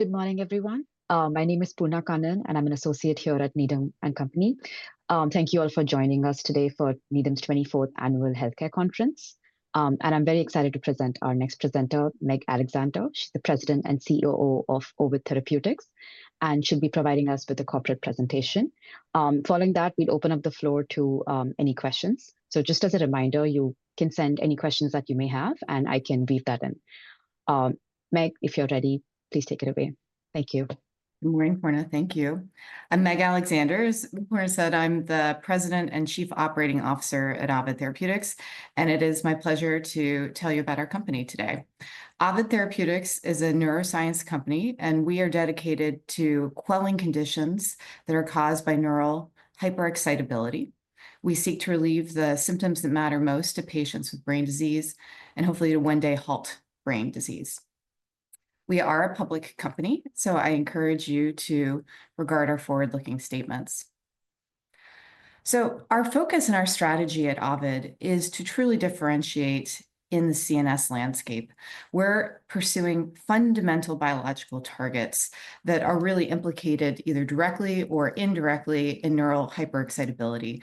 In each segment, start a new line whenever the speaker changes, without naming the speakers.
Good morning, everyone. My name is Poorna Kannan, and I'm an associate here at Needham & Company. Thank you all for joining us today for Needham's 24th Annual Healthcare conference. I am very excited to present our next presenter, Meg Alexander. She is the President and COO of Ovid Therapeutics, and she will be providing us with a corporate presentation. Following that, we will open up the floor to any questions. Just as a reminder, you can send any questions that you may have, and I can weave that in. Meg, if you're ready, please take it away. Thank you.
Good morning, Poorna. Thank you. I'm Meg Alexander. As Poorna said, I'm the President and Chief Operating Officer at Ovid Therapeutics, and it is my pleasure to tell you about our company today. Ovid Therapeutics is a neuroscience company, and we are dedicated to quelling conditions that are caused by neural hyperexcitability. We seek to relieve the symptoms that matter most to patients with brain disease and hopefully to one day halt brain disease. We are a public company, so I encourage you to regard our forward-looking statements. Our focus and our strategy at Ovid is to truly differentiate in the CNS landscape. We're pursuing fundamental biological targets that are really implicated either directly or indirectly in neural hyperexcitability.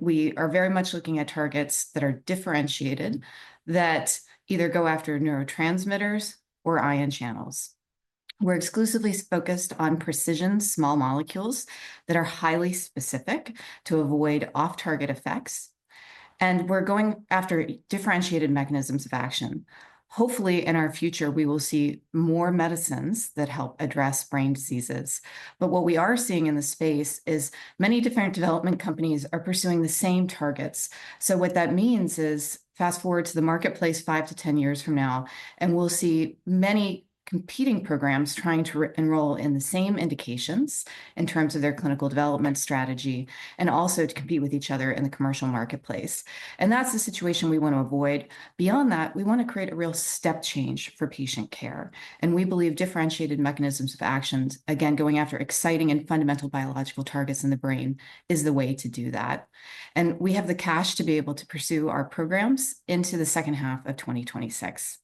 We are very much looking at targets that are differentiated that either go after neurotransmitters or ion channels. We're exclusively focused on precision small molecules that are highly specific to avoid off-target effects. We're going after differentiated mechanisms of action. Hopefully, in our future, we will see more medicines that help address brain diseases. What we are seeing in the space is many different development companies are pursuing the same targets. What that means is fast forward to the marketplace five to 10 years from now, and we'll see many competing programs trying to enroll in the same indications in terms of their clinical development strategy and also to compete with each other in the commercial marketplace. That's the situation we want to avoid. Beyond that, we want to create a real step change for patient care. We believe differentiated mechanisms of actions, again, going after exciting and fundamental biological targets in the brain, is the way to do that. We have the cash to be able to pursue our programs into the second half of 2026.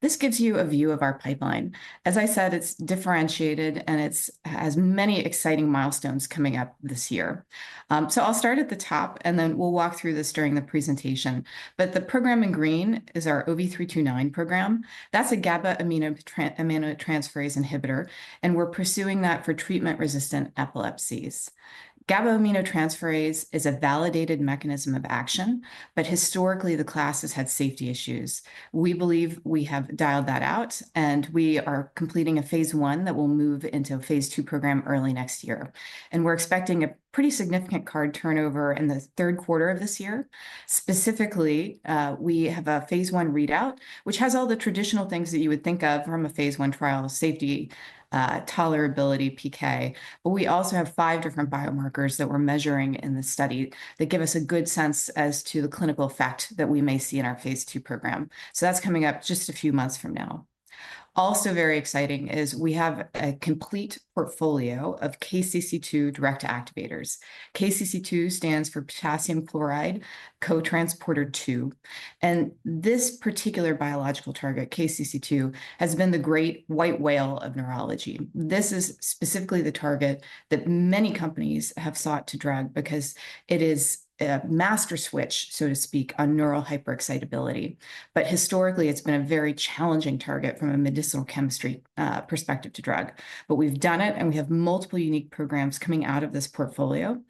This gives you a view of our pipeline. As I said, it's differentiated, and it has many exciting milestones coming up this year. I'll start at the top, and then we'll walk through this during the presentation. The program in green is our OV329 program. That's a GABA-aminotransferase inhibitor, and we're pursuing that for treatment-resistant epilepsies. GABA-aminotransferase is a validated mechanism of action, but historically, the class has had safety issues. We believe we have dialed that out, and we are completing a phase I that will move into a phase II program early next year. We're expecting a pretty significant card turnover in the third quarter of this year. Specifically, we have a phase I readout, which has all the traditional things that you would think of from a phase I trial, safety, tolerability, PK. We also have five different biomarkers that we're measuring in the study that give us a good sense as to the clinical effect that we may see in our phase II program. That is coming up just a few months from now. Also very exciting is we have a complete portfolio of KCC2 direct activators. KCC2 stands for potassium chloride cotransporter 2. This particular biological target, KCC2, has been the great white whale of neurology. This is specifically the target that many companies have sought to drug because it is a master switch, so to speak, on neural hyperexcitability. Historically, it has been a very challenging target from a medicinal chemistry perspective to drug. We have done it, and we have multiple unique programs coming out of this portfolio.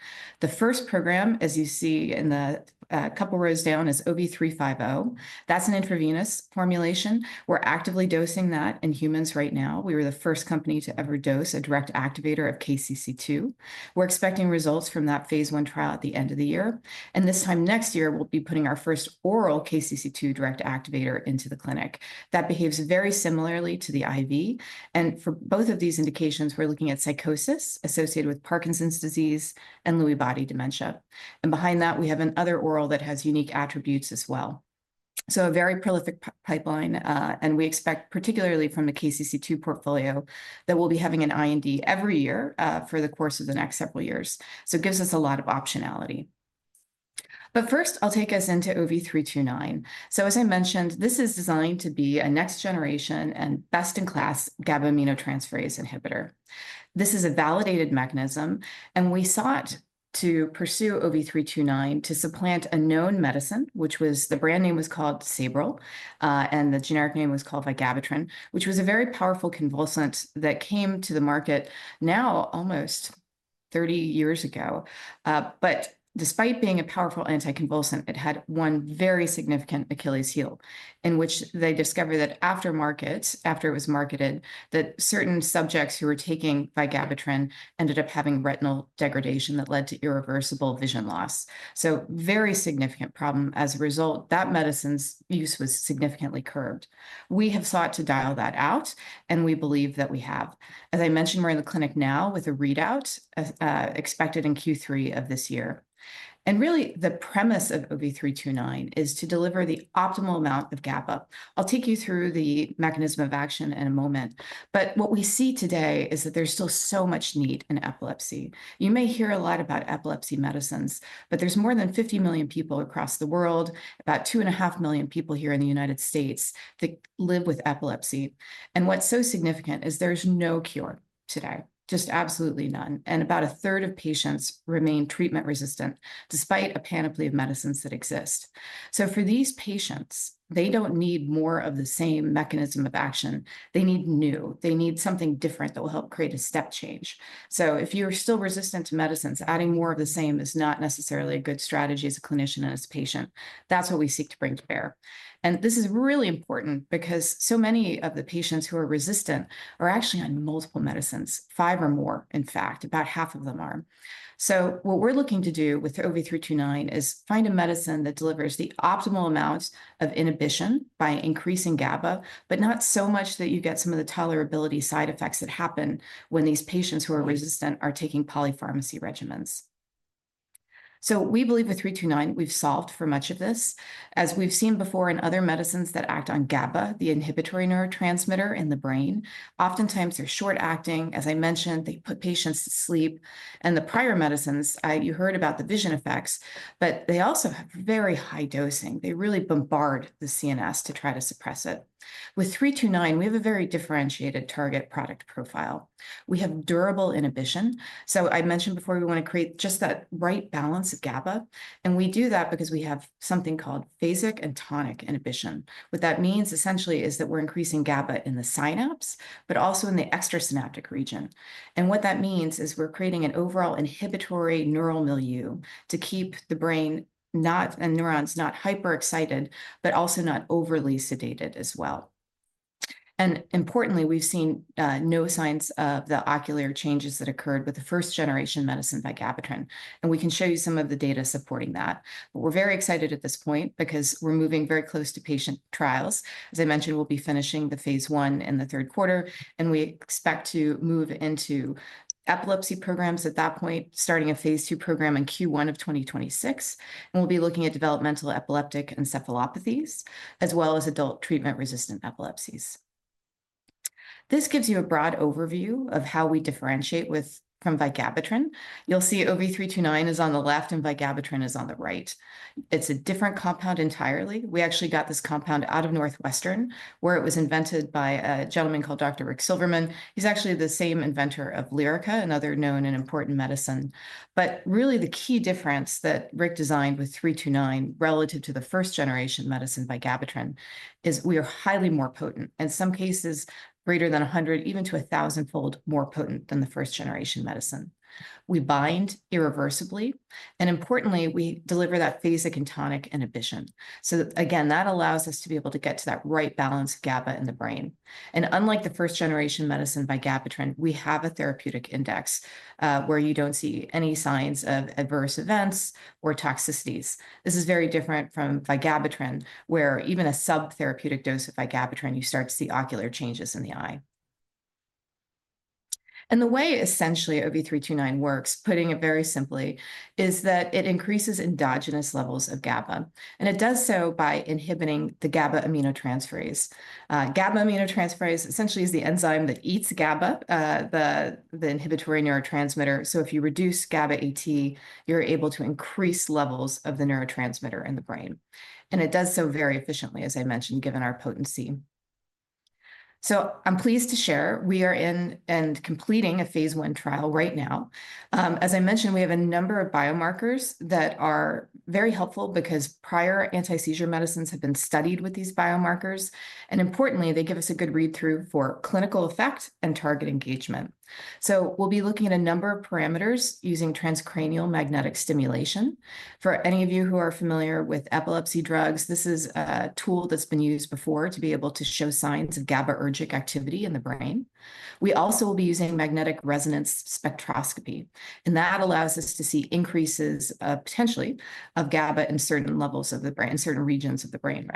The first program, as you see in the couple rows down, is OV350. That is an intravenous formulation. We are actively dosing that in humans right now. We were the first company to ever dose a direct activator of KCC2. We are expecting results from that phase I trial at the end of the year. This time next year, we will be putting our first oral KCC2 direct activator into the clinic. That behaves very similarly to the IV. For both of these indications, we are looking at psychosis associated with Parkinson's disease and Lewy body dementia. Behind that, we have another oral that has unique attributes as well. A very prolific pipeline, and we expect, particularly from the KCC2 portfolio, that we'll be having an IND every year for the course of the next several years. It gives us a lot of optionality. First, I'll take us into OV329. As I mentioned, this is designed to be a next-generation and best-in-class GABA-aminotransferase inhibitor. This is a validated mechanism, and we sought to pursue OV329 to supplant a known medicine, which was the brand name was called Sabril, and the generic name was called vigabatrin, which was a very powerful anticonvulsant that came to the market now almost 30 years ago. Despite being a powerful anticonvulsant, it had one very significant Achilles heel in which they discovered that after it was marketed, certain subjects who were taking vigabatrin ended up having retinal degradation that led to irreversible vision loss. Very significant problem. As a result, that medicine's use was significantly curbed. We have sought to dial that out, and we believe that we have. As I mentioned, we're in the clinic now with a readout expected in Q3 of this year. Really, the premise of OV329 is to deliver the optimal amount of GABA. I'll take you through the mechanism of action in a moment. What we see today is that there's still so much need in epilepsy. You may hear a lot about epilepsy medicines, but there's more than 50 million people across the world, about two and a half million people here in the United States that live with epilepsy. What's so significant is there's no cure today, just absolutely none. About 1/3 of patients remain treatment-resistant despite a panoply of medicines that exist. For these patients, they don't need more of the same mechanism of action. They need new. They need something different that will help create a step change. If you're still resistant to medicines, adding more of the same is not necessarily a good strategy as a clinician and as a patient. That's what we seek to bring to bear. This is really important because so many of the patients who are resistant are actually on multiple medicines, five or more. In fact, about half of them are. What we're looking to do with OV329 is find a medicine that delivers the optimal amount of inhibition by increasing GABA, but not so much that you get some of the tolerability side effects that happen when these patients who are resistant are taking polypharmacy regimens. We believe with OV329, we've solved for much of this. As we've seen before in other medicines that act on GABA, the inhibitory neurotransmitter in the brain, oftentimes they're short-acting. As I mentioned, they put patients to sleep. The prior medicines, you heard about the vision effects, but they also have very high dosing. They really bombard the CNS to try to suppress it. With OV329, we have a very differentiated target product profile. We have durable inhibition. I mentioned before we want to create just that right balance of GABA. We do that because we have something called phasic and tonic inhibition. What that means essentially is that we're increasing GABA in the synapse, but also in the extrasynaptic region. What that means is we're creating an overall inhibitory neural milieu to keep the brain and neurons not hyperexcited, but also not overly sedated as well. Importantly, we've seen no signs of the ocular changes that occurred with the first-generation medicine vigabatrin. We can show you some of the data supporting that. We're very excited at this point because we're moving very close to patient trials. As I mentioned, we'll be finishing the phase I in the third quarter, and we expect to move into epilepsy programs at that point, starting a phase II program in Q1 of 2026. We'll be looking at developmental epileptic encephalopathies as well as adult treatment-resistant epilepsies. This gives you a broad overview of how we differentiate from vigabatrin. You'll see OV329 is on the left and vigabatrin is on the right. It's a different compound entirely. We actually got this compound out of Northwestern, where it was invented by a gentleman called Dr. Rick Silverman. He's actually the same inventor of Lyrica, another known and important medicine. Really, the key difference that Rick designed with OV329 relative to the first-generation medicine vigabatrin is we are highly more potent. In some cases, greater than 100, even to a thousandfold more potent than the first-generation medicine. We bind irreversibly. Importantly, we deliver that phasic and tonic inhibition. That allows us to be able to get to that right balance of GABA in the brain. Unlike the first-generation medicine vigabatrin, we have a therapeutic index where you don't see any signs of adverse events or toxicities. This is very different from vigabatrin, where even a sub-therapeutic dose of vigabatrin, you start to see ocular changes in the eye. The way essentially OV329 works, putting it very simply, is that it increases endogenous levels of GABA. It does so by inhibiting the GABA-aminotransferase. GABA-aminotransferase essentially is the enzyme that eats GABA, the inhibitory neurotransmitter. If you reduce GABA-AT, you're able to increase levels of the neurotransmitter in the brain. It does so very efficiently, as I mentioned, given our potency. I'm pleased to share we are in and completing a phase I trial right now. As I mentioned, we have a number of biomarkers that are very helpful because prior anti-seizure medicines have been studied with these biomarkers. Importantly, they give us a good read-through for clinical effect and target engagement. We'll be looking at a number of parameters using transcranial magnetic stimulation. For any of you who are familiar with epilepsy drugs, this is a tool that's been used before to be able to show signs of GABAergic activity in the brain. We also will be using magnetic resonance spectroscopy. That allows us to see increases potentially of GABA in certain levels of the brain, certain regions of the brain,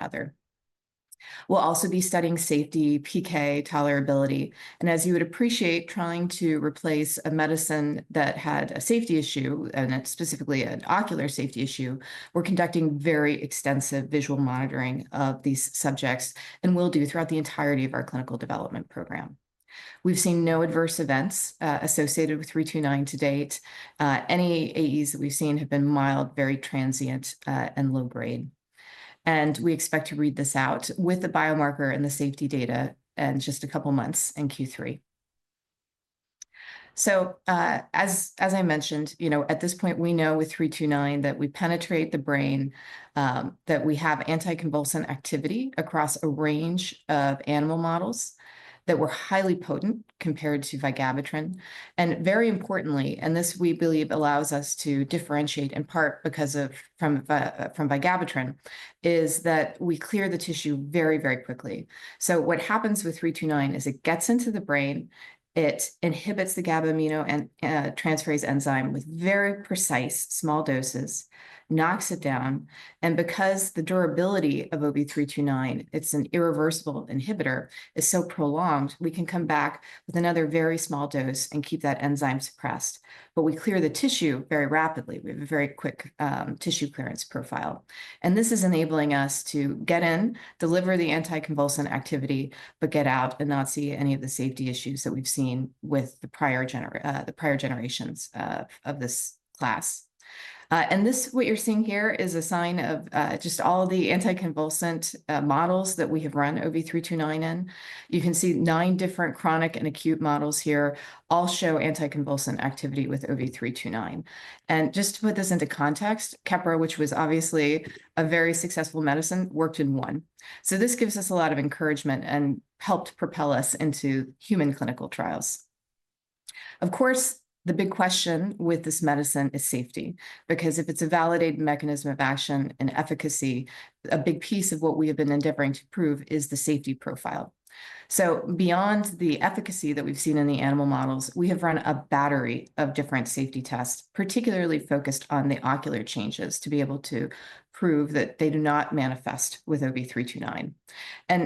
rather. We'll also be studying safety, PK, tolerability. As you would appreciate, trying to replace a medicine that had a safety issue, and specifically an ocular safety issue, we're conducting very extensive visual monitoring of these subjects and will do throughout the entirety of our clinical development program. We've seen no adverse events associated with OV329 to date. Any AEs that we've seen have been mild, very transient, and low grade. We expect to read this out with the biomarker and the safety data in just a couple of months in Q3. As I mentioned, you know at this point, we know with OV329 that we penetrate the brain, that we have anticonvulsant activity across a range of animal models that were highly potent compared to vigabatrin. Very importantly, and this we believe allows us to differentiate in part because of from vigabatrin, is that we clear the tissue very, very quickly. What happens with OV329 is it gets into the brain, it inhibits the GABA aminotransferase enzyme with very precise small doses, knocks it down. Because the durability of OV329, it's an irreversible inhibitor, is so prolonged, we can come back with another very small dose and keep that enzyme suppressed. We clear the tissue very rapidly. We have a very quick tissue clearance profile. This is enabling us to get in, deliver the anticonvulsant activity, but get out and not see any of the safety issues that we've seen with the prior generations of this class. What you're seeing here is a sign of just all the anticonvulsant models that we have run OV329 in. You can see nine different chronic and acute models here all show anticonvulsant activity with OV329. Just to put this into context, Keppra, which was obviously a very successful medicine, worked in one. This gives us a lot of encouragement and helped propel us into human clinical trials. Of course, the big question with this medicine is safety. Because if it's a validated mechanism of action and efficacy, a big piece of what we have been endeavoring to prove is the safety profile. Beyond the efficacy that we've seen in the animal models, we have run a battery of different safety tests, particularly focused on the ocular changes to be able to prove that they do not manifest with OV329.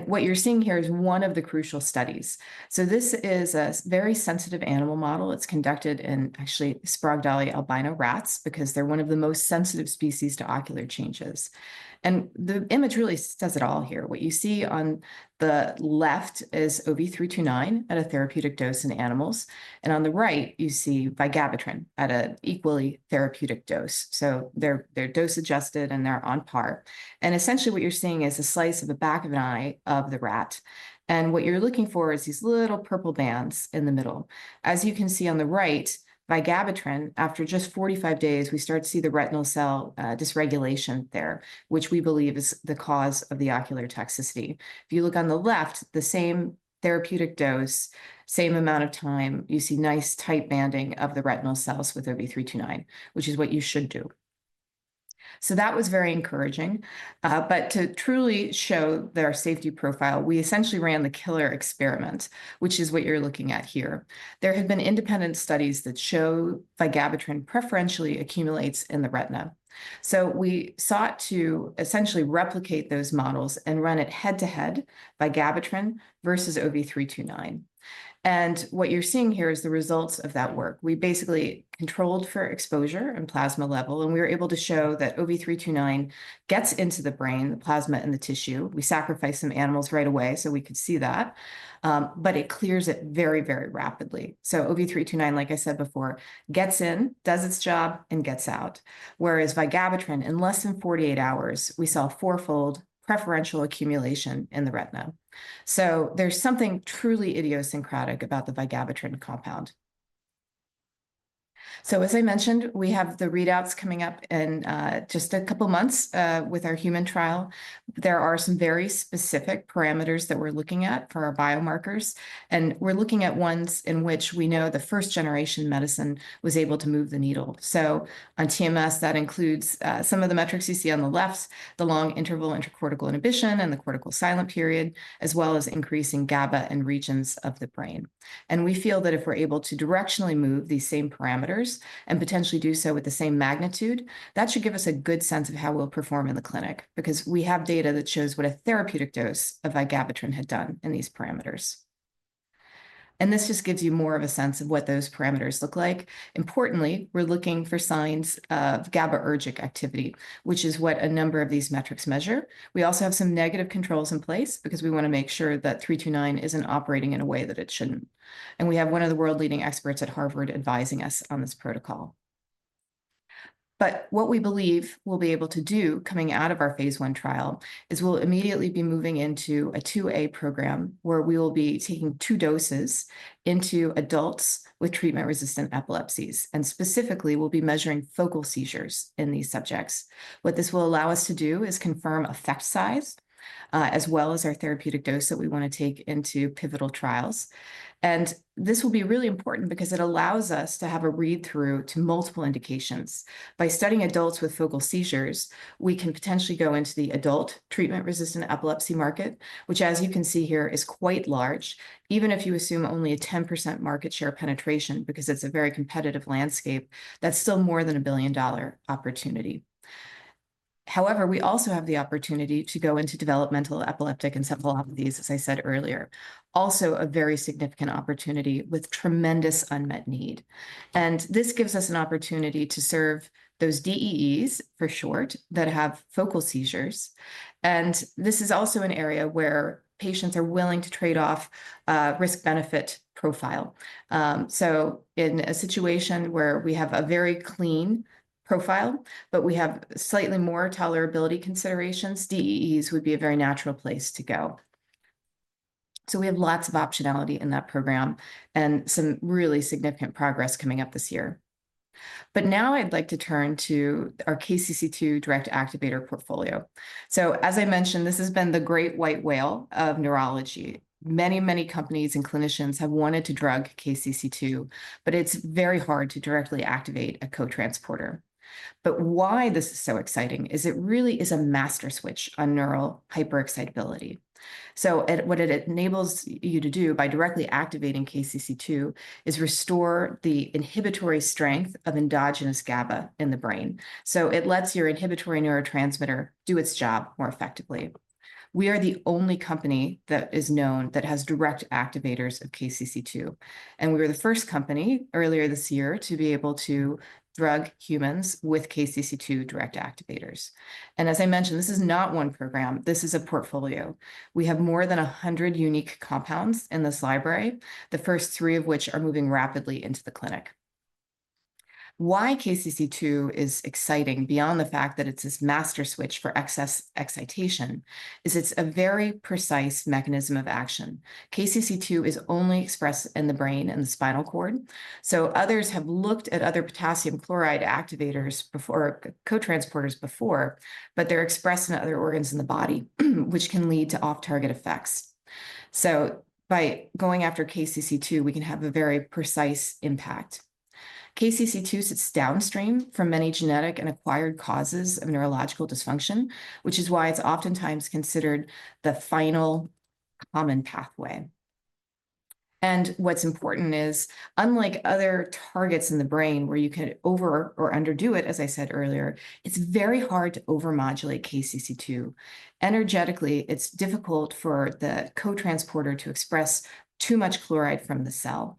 What you're seeing here is one of the crucial studies. This is a very sensitive animal model. It's conducted in actually Sprague-Dawley albino rats because they're one of the most sensitive species to ocular changes. The image really says it all here. What you see on the left is OV329 at a therapeutic dose in animals. On the right, you see vigabatrin at an equally therapeutic dose. They're dose-adjusted and they're on par. Essentially what you're seeing is a slice of the back of an eye of the rat. What you're looking for is these little purple bands in the middle. As you can see on the right, vigabatrin, after just 45 days, we start to see the retinal cell dysregulation there, which we believe is the cause of the ocular toxicity. If you look on the left, the same therapeutic dose, same amount of time, you see nice tight banding of the retinal cells with OV329, which is what you should do. That was very encouraging. To truly show their safety profile, we essentially ran the killer experiment, which is what you're looking at here. There have been independent studies that show vigabatrin preferentially accumulates in the retina. We sought to essentially replicate those models and run it head-to-head, vigabatrin versus OV329. What you're seeing here is the results of that work. We basically controlled for exposure and plasma level, and we were able to show that OV329 gets into the brain, the plasma, and the tissue. We sacrificed some animals right away so we could see that. It clears it very, very rapidly. OV329, like I said before, gets in, does its job, and gets out. Vigabatrin, in less than 48 hours, we saw four-fold preferential accumulation in the retina. There is something truly idiosyncratic about the vigabatrin compound. As I mentioned, we have the readouts coming up in just a couple of months with our human trial. There are some very specific parameters that we are looking at for our biomarkers. We are looking at ones in which we know the first-generation medicine was able to move the needle. On TMS, that includes some of the metrics you see on the left, the long interval intracortical inhibition and the cortical silent period, as well as increasing GABA in regions of the brain. We feel that if we're able to directionally move these same parameters and potentially do so with the same magnitude, that should give us a good sense of how we'll perform in the clinic because we have data that shows what a therapeutic dose of vigabatrin had done in these parameters. This just gives you more of a sense of what those parameters look like. Importantly, we're looking for signs of GABAergic activity, which is what a number of these metrics measure. We also have some negative controls in place because we want to make sure that OV329 isn't operating in a way that it shouldn't. We have one of the world-leading experts at Harvard advising us on this protocol. What we believe we'll be able to do coming out of our phase I trial is we'll immediately be moving into a II-A program where we will be taking two doses into adults with treatment-resistant epilepsies. Specifically, we'll be measuring focal seizures in these subjects. What this will allow us to do is confirm effect size as well as our therapeutic dose that we want to take into pivotal trials. This will be really important because it allows us to have a read-through to multiple indications. By studying adults with focal seizures, we can potentially go into the adult treatment-resistant epilepsy market, which, as you can see here, is quite large, even if you assume only a 10% market share penetration because it's a very competitive landscape that's still more than a billion-dollar opportunity. However, we also have the opportunity to go into developmental epileptic encephalopathies, as I said earlier, also a very significant opportunity with tremendous unmet need. This gives us an opportunity to serve those DEEs, for short, that have focal seizures. This is also an area where patients are willing to trade off risk-benefit profile. In a situation where we have a very clean profile, but we have slightly more tolerability considerations, DEEs would be a very natural place to go. We have lots of optionality in that program and some really significant progress coming up this year. Now I'd like to turn to our KCC2 direct activator portfolio. As I mentioned, this has been the great white whale of neurology. Many, many companies and clinicians have wanted to drug KCC2, but it's very hard to directly activate a cotransporter. Why this is so exciting is it really is a master switch on neural hyperexcitability. What it enables you to do by directly activating KCC2 is restore the inhibitory strength of endogenous GABA in the brain. It lets your inhibitory neurotransmitter do its job more effectively. We are the only company that is known that has direct activators of KCC2. We were the first company earlier this year to be able to drug humans with KCC2 direct activators. As I mentioned, this is not one program. This is a portfolio. We have more than 100 unique compounds in this library, the first three of which are moving rapidly into the clinic. Why KCC2 is exciting beyond the fact that it's this master switch for excitation is it's a very precise mechanism of action. KCC2 is only expressed in the brain and the spinal cord. Others have looked at other potassium chloride activators before or cotransporters before, but they're expressed in other organs in the body, which can lead to off-target effects. By going after KCC2, we can have a very precise impact. KCC2 sits downstream from many genetic and acquired causes of neurological dysfunction, which is why it's oftentimes considered the final common pathway. What's important is, unlike other targets in the brain where you can over or underdo it, as I said earlier, it's very hard to over-modulate KCC2. Energetically, it's difficult for the cotransporter to express too much chloride from the cell.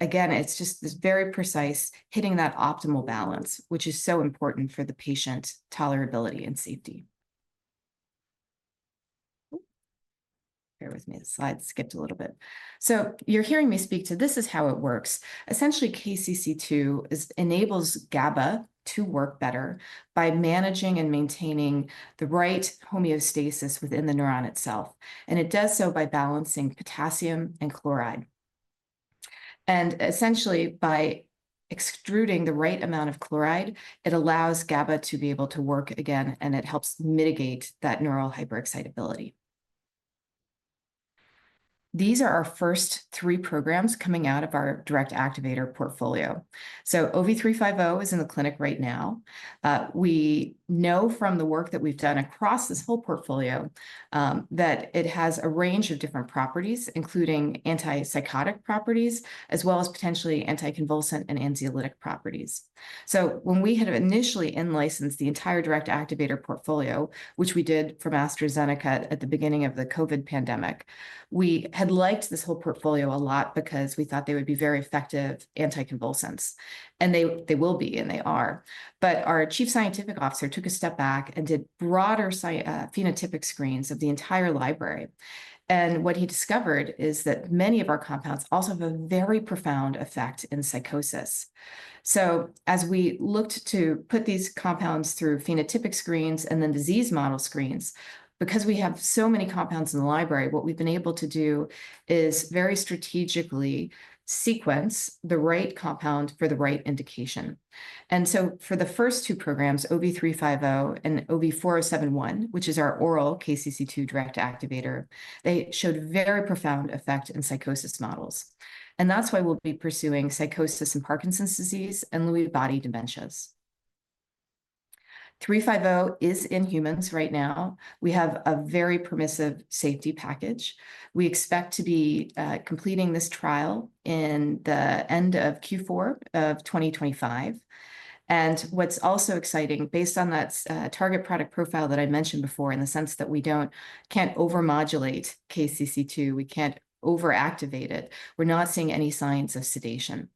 It's just this very precise hitting that optimal balance, which is so important for the patient tolerability and safety. Bear with me. The slides skipped a little bit. You're hearing me speak to this is how it works. Essentially, KCC2 enables GABA to work better by managing and maintaining the right homeostasis within the neuron itself. It does so by balancing potassium and chloride. Essentially, by extruding the right amount of chloride, it allows GABA to be able to work again, and it helps mitigate that neural hyperexcitability. These are our first three programs coming out of our direct activator portfolio. OV350 is in the clinic right now. We know from the work that we've done across this whole portfolio that it has a range of different properties, including antipsychotic properties, as well as potentially anticonvulsant and anxiolytic properties. When we had initially in-licensed the entire direct activator portfolio, which we did for AstraZeneca at the beginning of the COVID pandemic, we had liked this whole portfolio a lot because we thought they would be very effective anticonvulsants. They will be, and they are. Our Chief Scientific Officer took a step back and did broader phenotypic screens of the entire library. What he discovered is that many of our compounds also have a very profound effect in psychosis. As we looked to put these compounds through phenotypic screens and then disease model screens, because we have so many compounds in the library, what we've been able to do is very strategically sequence the right compound for the right indication. For the first two programs, OV350 and OV4071, which is our oral KCC2 direct activator, they showed very profound effect in psychosis models. That is why we'll be pursuing psychosis and Parkinson's disease and Lewy body dementias. OV350 is in humans right now. We have a very permissive safety package. We expect to be completing this trial in the end of Q4 of 2025. What's also exciting, based on that target product profile that I mentioned before in the sense that we can't over-modulate KCC2, we can't over-activate it, we're not seeing any signs of sedation.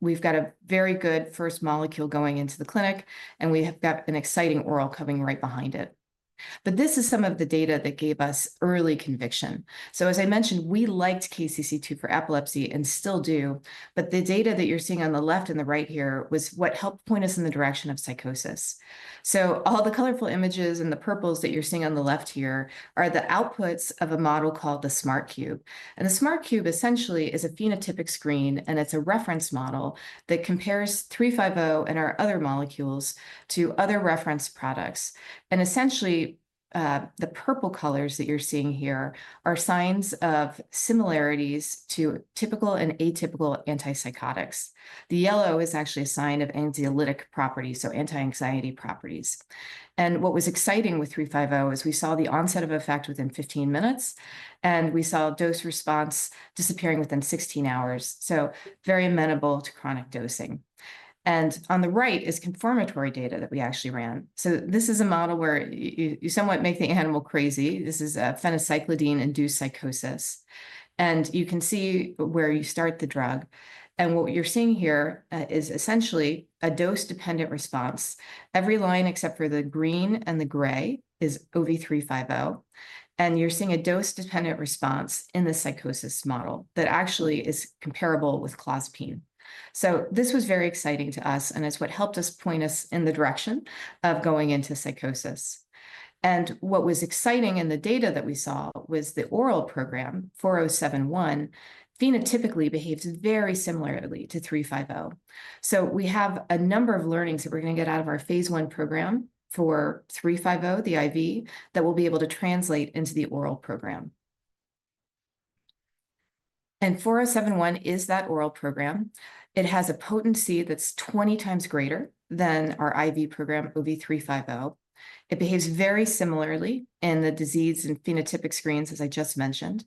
We have got a very good first molecule going into the clinic, and we have got an exciting oral coming right behind it. This is some of the data that gave us early conviction. As I mentioned, we liked KCC2 for epilepsy and still do, but the data that you are seeing on the left and the right here was what helped point us in the direction of psychosis. All the colorful images and the purples that you are seeing on the left here are the outputs of a model called the SmartCube. The SmartCube essentially is a phenotypic screen, and it is a reference model that compares OV350 and our other molecules to other reference products. Essentially, the purple colors that you are seeing here are signs of similarities to typical and atypical antipsychotics. The yellow is actually a sign of anxiolytic properties, so anti-anxiety properties. What was exciting with OV350 is we saw the onset of effect within 15 minutes, and we saw dose response disappearing within 16 hours. Very amenable to chronic dosing. On the right is conformatory data that we actually ran. This is a model where you somewhat make the animal crazy. This is a phencyclidine-induced psychosis. You can see where you start the drug. What you're seeing here is essentially a dose-dependent response. Every line except for the green and the gray is OV350. You're seeing a dose-dependent response in the psychosis model that actually is comparable with clozapine. This was very exciting to us, and it is what helped point us in the direction of going into psychosis. What was exciting in the data that we saw was the oral program, OV4071, phenotypically behaves very similarly to OV350. We have a number of learnings that we're going to get out of our phase I program for OV350, the IV, that we'll be able to translate into the oral program. OV4071 is that oral program. It has a potency that's 20x greater than our IV program, OV350. It behaves very similarly in the disease and phenotypic screens, as I just mentioned.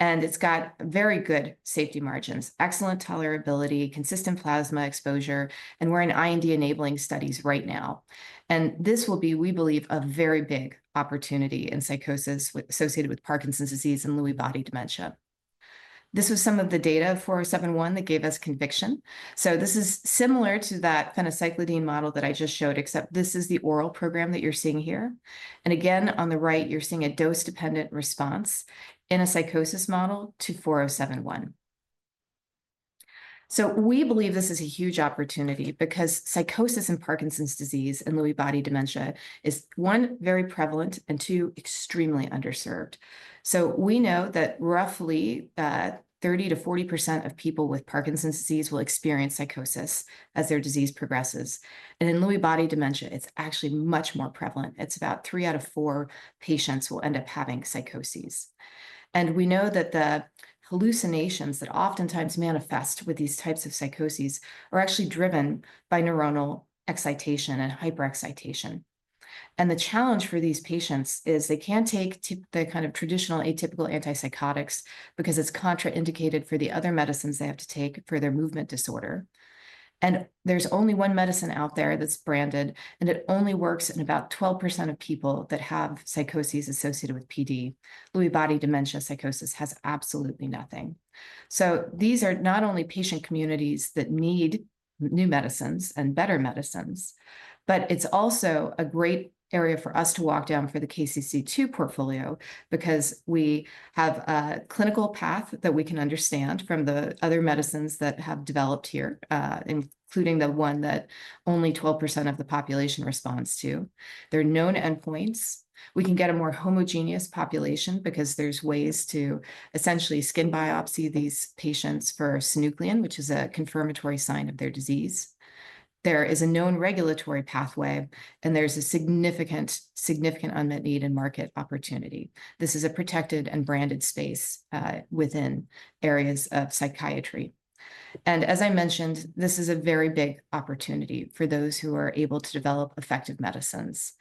It's got very good safety margins, excellent tolerability, consistent plasma exposure, and we're in IND-enabling studies right now. This will be, we believe, a very big opportunity in psychosis associated with Parkinson's disease and Lewy body dementia. This was some of the data for OV4071 that gave us conviction. This is similar to that phencyclidine model that I just showed, except this is the oral program that you're seeing here. Again, on the right, you're seeing a dose-dependent response in a psychosis model to OV4071. We believe this is a huge opportunity because psychosis in Parkinson's disease and Lewy body dementia is, one, very prevalent and, two, extremely underserved. We know that roughly 30%-40% of people with Parkinson's disease will experience psychosis as their disease progresses. In Lewy body dementia, it's actually much more prevalent. It's about three out of four patients will end up having psychoses. We know that the hallucinations that oftentimes manifest with these types of psychoses are actually driven by neuronal excitation and hyperexcitation. The challenge for these patients is they can't take the kind of traditional atypical antipsychotics because it's contraindicated for the other medicines they have to take for their movement disorder. There's only one medicine out there that's branded, and it only works in about 12% of people that have psychoses associated with PD. Lewy body dementia psychosis has absolutely nothing. These are not only patient communities that need new medicines and better medicines, but it's also a great area for us to walk down for the KCC2 portfolio because we have a clinical path that we can understand from the other medicines that have developed here, including the one that only 12% of the population responds to. There are known endpoints. We can get a more homogeneous population because there's ways to essentially skin biopsy these patients for synuclein, which is a confirmatory sign of their disease. There is a known regulatory pathway, and there's a significant unmet need and market opportunity. This is a protected and branded space within areas of psychiatry. As I mentioned, this is a very big opportunity for those who are able to develop effective medicines.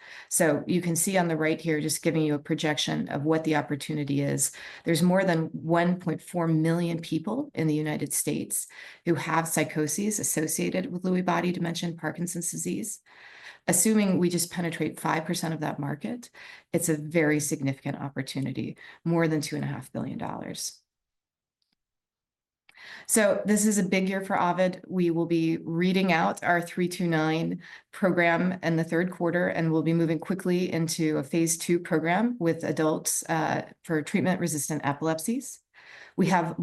You can see on the right here, just giving you a projection of what the opportunity is, there are more than 1.4 million people in the United States who have psychoses associated with Lewy body dementia and Parkinson's disease. Assuming we just penetrate 5% of that market, it is a very significant opportunity, more than $2.5 billion. This is a big year for Ovid. We will be reading out our OV329 program in the third quarter, and we will be moving quickly into a phase II program with adults for treatment-resistant epilepsies. We have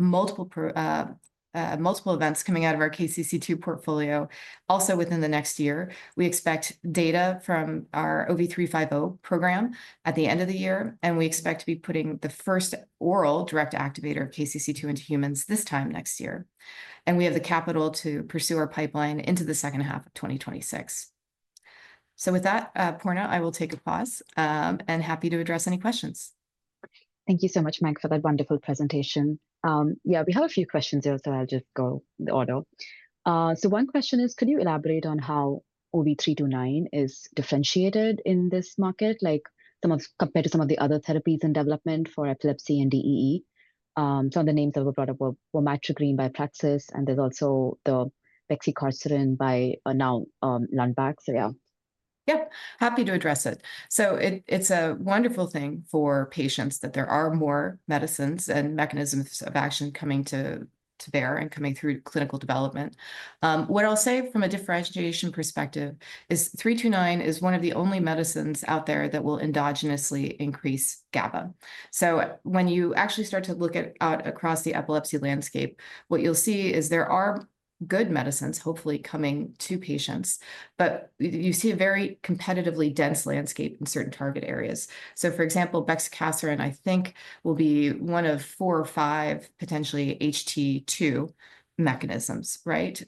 multiple events coming out of our KCC2 portfolio. Also within the next year, we expect data from our OV350 program at the end of the year, and we expect to be putting the first oral direct activator of KCC2 into humans this time next year. We have the capital to pursue our pipeline into the second half of 2026. With that, Poorna, I will take a pause and happy to address any questions.
Thank you so much, Meg, for that wonderful presentation. Yeah, we have a few questions here, so I'll just go the order. One question is, could you elaborate on how OV329 is differentiated in this market, like compared to some of the other therapies in development for epilepsy and DEE? Some of the names that were brought up Vormatrigine by Praxis, and there's also the Bexicaserin by now Lundbeck. Yeah.
Yeah, happy to address it. It's a wonderful thing for patients that there are more medicines and mechanisms of action coming to bear and coming through clinical development. What I'll say from a differentiation perspective is OV329 is one of the only medicines out there that will endogenously increase GABA. When you actually start to look at across the epilepsy landscape, what you'll see is there are good medicines hopefully coming to patients, but you see a very competitively dense landscape in certain target areas. For example, Bexicaserin, I think, will be one of four or five potentially HT2 mechanisms, right?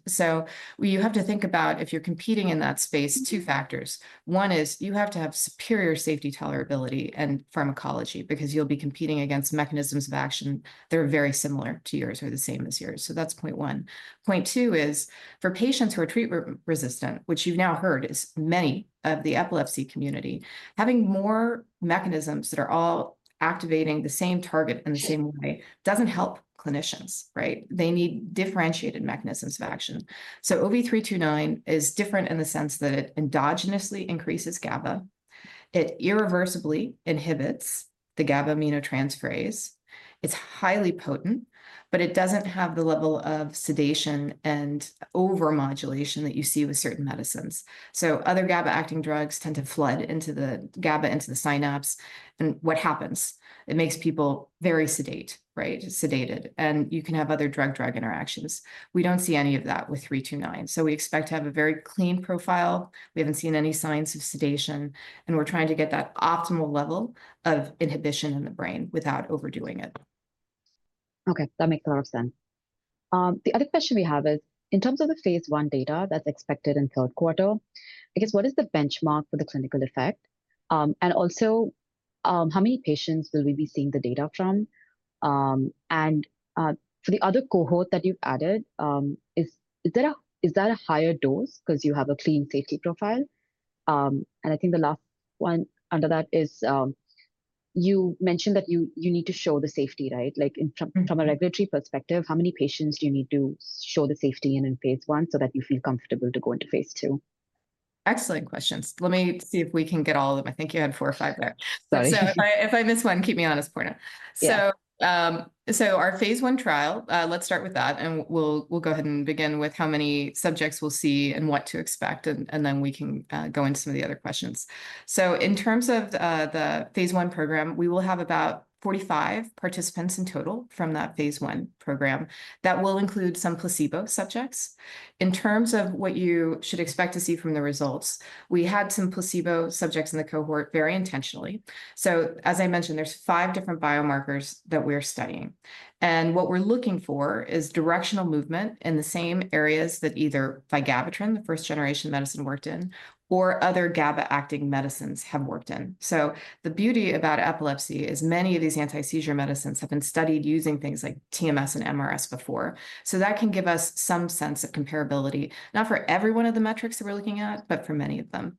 You have to think about, if you're competing in that space, two factors. One is you have to have superior safety tolerability and pharmacology because you'll be competing against mechanisms of action that are very similar to yours or the same as yours. That's point one. Point two is for patients who are treatment resistant, which you've now heard is many of the epilepsy community, having more mechanisms that are all activating the same target in the same way doesn't help clinicians, right? They need differentiated mechanisms of action. OV329 is different in the sense that it endogenously increases GABA. It irreversibly inhibits the GABA-aminotransferase. It's highly potent, but it doesn't have the level of sedation and over-modulation that you see with certain medicines. Other GABA-acting drugs tend to flood into the GABA into the synapse. What happens? It makes people very sedate, right? Sedated. You can have other drug-drug interactions. We don't see any of that with OV329. We expect to have a very clean profile. We haven't seen any signs of sedation, and we're trying to get that optimal level of inhibition in the brain without overdoing it.
Okay, that makes a lot of sense. The other question we have is, in terms of the phase I data that's expected in third quarter, I guess, what is the benchmark for the clinical effect? Also, how many patients will we be seeing the data from? For the other cohort that you've added, is there a higher dose because you have a clean safety profile? I think the last one under that is you mentioned that you need to show the safety, right? Like from a regulatory perspective, how many patients do you need to show the safety in phase I so that you feel comfortable to go into phase II?
Excellent questions. Let me see if we can get all of them. I think you had four or five there. Sorry. If I miss one, keep me honest, Poorna. Our phase I trial, let's start with that, and we'll go ahead and begin with how many subjects we'll see and what to expect, and then we can go into some of the other questions. In terms of the phase I program, we will have about 45 participants in total from that phase I program. That will include some placebo subjects. In terms of what you should expect to see from the results, we had some placebo subjects in the cohort very intentionally. As I mentioned, there's five different biomarkers that we're studying. What we're looking for is directional movement in the same areas that either vigabatrin, the first-generation medicine, worked in, or other GABA-acting medicines have worked in. The beauty about epilepsy is many of these anti-seizure medicines have been studied using things like TMS and MRS before. That can give us some sense of comparability, not for every one of the metrics that we're looking at, but for many of them.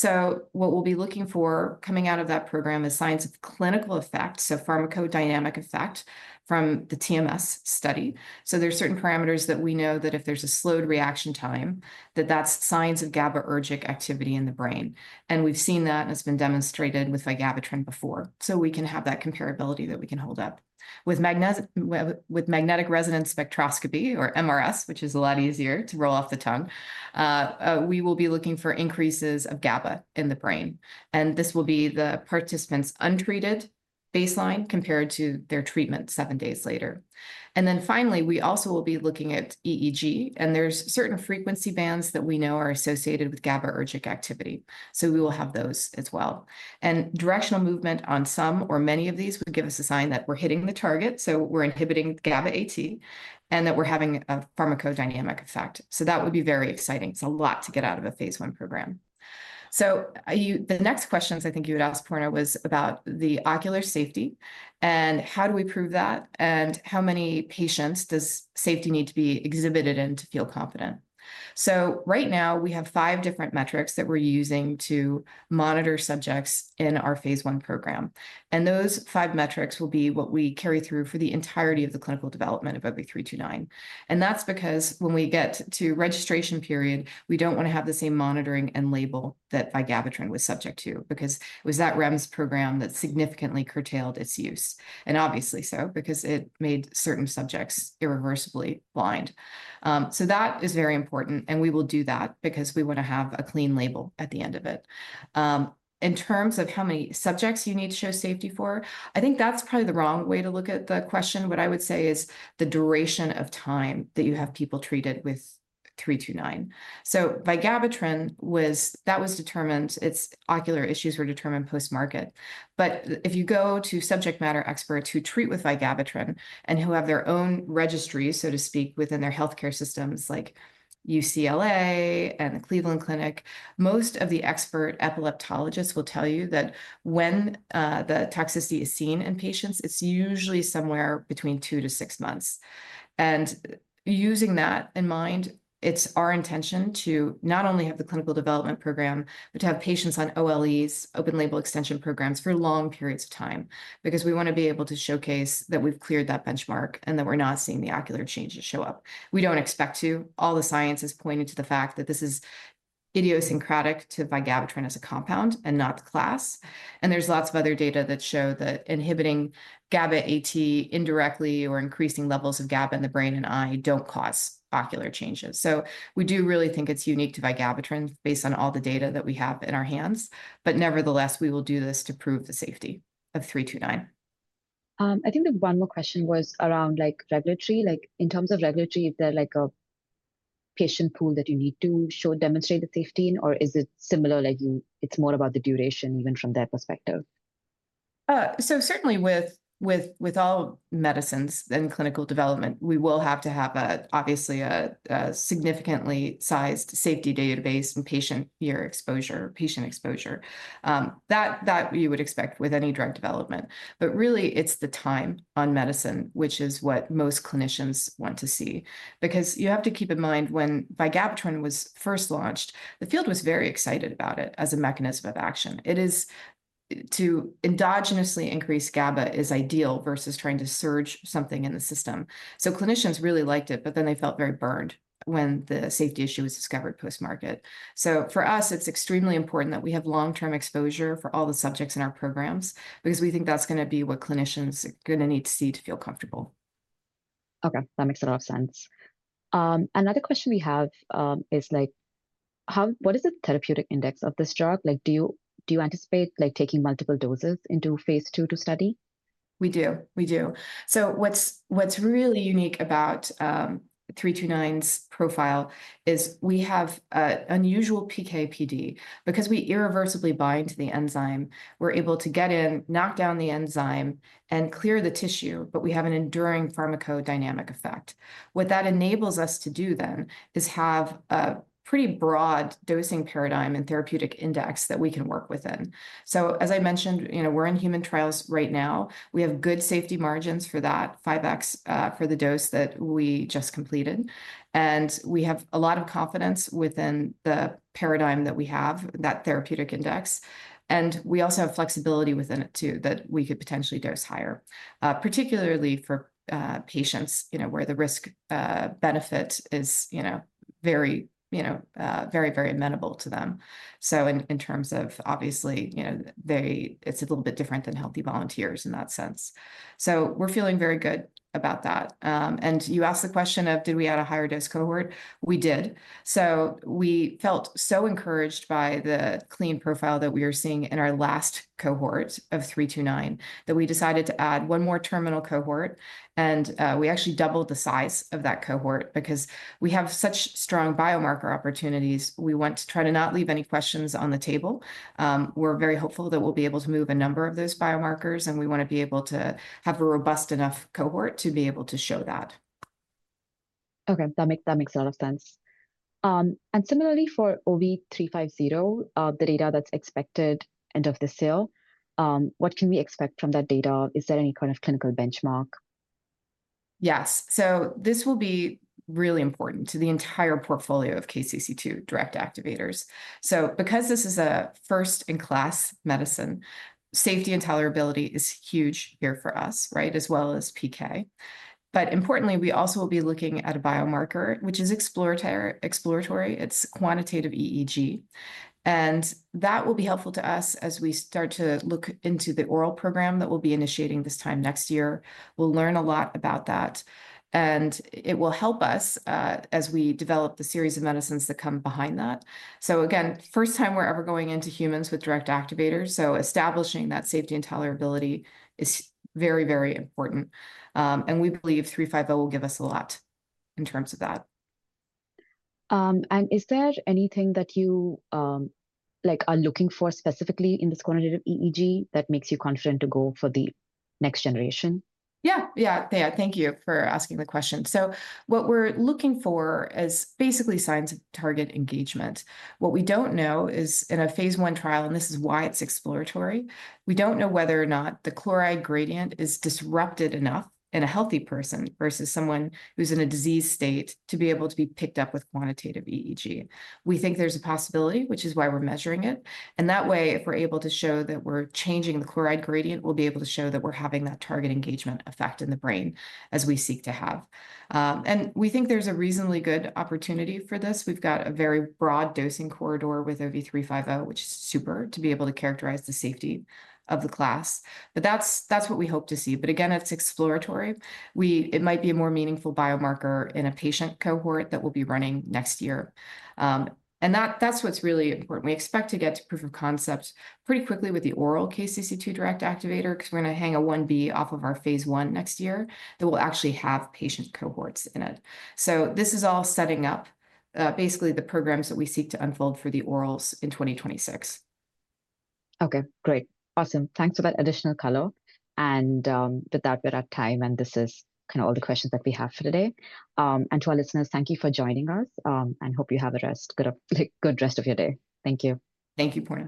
What we'll be looking for coming out of that program is signs of clinical effect, so pharmacodynamic effect from the TMS study. There are certain parameters that we know that if there's a slowed reaction time, that's signs of GABAergic activity in the brain. We've seen that, and it's been demonstrated with vigabatrin before. We can have that comparability that we can hold up. With magnetic resonance spectroscopy, or MRS, which is a lot easier to roll off the tongue, we will be looking for increases of GABA in the brain. This will be the participants' untreated baseline compared to their treatment seven days later. Finally, we also will be looking at EEG, and there's certain frequency bands that we know are associated with GABAergic activity. We will have those as well. Directional movement on some or many of these would give us a sign that we're hitting the target, so we're inhibiting GABA-aminotransferase, and that we're having a pharmacodynamic effect. That would be very exciting. It's a lot to get out of a phase I program. The next questions I think you would ask, Poorna, was about the ocular safety. How do we prove that? How many patients does safety need to be exhibited in to feel confident? Right now, we have five different metrics that we're using to monitor subjects in our phase I program. Those five metrics will be what we carry through for the entirety of the clinical development of OV329. That is because when we get to registration period, we do not want to have the same monitoring and label that vigabatrin was subject to because it was that REMS program that significantly curtailed its use. Obviously so because it made certain subjects irreversibly blind. That is very important, and we will do that because we want to have a clean label at the end of it. In terms of how many subjects you need to show safety for, I think that is probably the wrong way to look at the question. What I would say is the duration of time that you have people treated with OV329. Vigabatrin, that was determined, its ocular issues were determined post-market. If you go to subject matter experts who treat with vigabatrin and who have their own registry, so to speak, within their healthcare systems like UCLA and the Cleveland Clinic, most of the expert epileptologists will tell you that when the toxicity is seen in patients, it is usually somewhere between two to six months. Using that in mind, it is our intention to not only have the clinical development program, but to have patients on OLEs, open-label extension programs for long periods of time because we want to be able to showcase that we have cleared that benchmark and that we are not seeing the ocular changes show up. We do not expect to. All the science is pointing to the fact that this is idiosyncratic to vigabatrin as a compound and not the class. There is lots of other data that show that inhibiting GABA-aminotransferase indirectly or increasing levels of GABA in the brain and eye do not cause ocular changes. We do really think it is unique to vigabatrin based on all the data that we have in our hands. Nevertheless, we will do this to prove the safety of OV329.
I think the one more question was around regulatory. In terms of regulatory, is there a patient pool that you need to show, demonstrate the safety, or is it similar? It is more about the duration even from that perspective.
Certainly with all medicines and clinical development, we will have to have obviously a significantly sized safety database and patient year exposure, patient exposure. That you would expect with any drug development. Really, it is the time on medicine, which is what most clinicians want to see. Because you have to keep in mind when vigabatrin was first launched, the field was very excited about it as a mechanism of action. It is to endogenously increase GABA is ideal versus trying to surge something in the system. Clinicians really liked it, but then they felt very burned when the safety issue was discovered post-market. For us, it's extremely important that we have long-term exposure for all the subjects in our programs because we think that's going to be what clinicians are going to need to see to feel comfortable.
Okay, that makes a lot of sense. Another question we have is, what is the therapeutic index of this drug? Do you anticipate taking multiple doses into phase II to study?
We do. We do. What's really unique about OV329's profile is we have an unusual PK/PD because we irreversibly bind to the enzyme. We're able to get in, knock down the enzyme, and clear the tissue, but we have an enduring pharmacodynamic effect. What that enables us to do then is have a pretty broad dosing paradigm and therapeutic index that we can work within. As I mentioned, we're in human trials right now. We have good safety margins for that, 5x for the dose that we just completed. We have a lot of confidence within the paradigm that we have, that therapeutic index. We also have flexibility within it too that we could potentially dose higher, particularly for patients where the risk benefit is very, very, very amenable to them. In terms of obviously, it's a little bit different than healthy volunteers in that sense. We're feeling very good about that. You asked the question of, did we add a higher dose cohort? We did. We felt so encouraged by the clean profile that we were seeing in our last cohort of OV329 that we decided to add one more terminal cohort. We actually doubled the size of that cohort because we have such strong biomarker opportunities. We want to try to not leave any questions on the table. We're very hopeful that we'll be able to move a number of those biomarkers, and we want to be able to have a robust enough cohort to be able to show that.
That makes a lot of sense. Similarly, for OV350, the data that's expected end of the sale, what can we expect from that data? Is there any kind of clinical benchmark?
Yes. This will be really important to the entire portfolio of KCC2 direct activators. Because this is a first-in-class medicine, safety and tolerability is huge here for us, right, as well as PK. Importantly, we also will be looking at a biomarker, which is exploratory. It is quantitative EEG. That will be helpful to us as we start to look into the oral program that we will be initiating this time next year. We will learn a lot about that. It will help us as we develop the series of medicines that come behind that. Again, first time we are ever going into humans with direct activators. Establishing that safety and tolerability is very, very important. We believe OV350 will give us a lot in terms of that.
Is there anything that you are looking for specifically in this quantitative EEG that makes you confident to go for the next generation?
Yeah, yeah, yeah. Thank you for asking the question. What we're looking for is basically signs of target engagement. What we don't know is in a phase I trial, and this is why it's exploratory, we don't know whether or not the chloride gradient is disrupted enough in a healthy person versus someone who's in a disease state to be able to be picked up with quantitative EEG. We think there's a possibility, which is why we're measuring it. That way, if we're able to show that we're changing the chloride gradient, we'll be able to show that we're having that target engagement effect in the brain as we seek to have. We think there's a reasonably good opportunity for this. We've got a very broad dosing corridor with OV350, which is super to be able to characterize the safety of the class. That's what we hope to see. Again, it's exploratory. It might be a more meaningful biomarker in a patient cohort that we'll be running next year. That's what's really important. We expect to get to proof of concept pretty quickly with the oral KCC2 direct activator because we're going to hang a I-B off of our phase I next year that will actually have patient cohorts in it. This is all setting up basically the programs that we seek to unfold for the orals in 2026.
Okay, great. Awesome. Thanks for that additional color. With that, we're at time, and this is kind of all the questions that we have for today. To our listeners, thank you for joining us, and hope you have a good rest of your day. Thank you.
Thank you, Poorna.